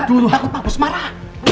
dulu aku pabos marah